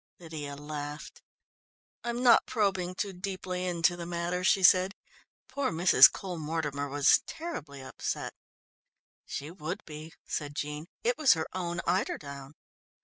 Lydia laughed. "I'm not probing too deeply into the matter," she said. "Poor Mrs. Cole Mortimer was terribly upset." "She would be," said Jean. "It was her own eiderdown!"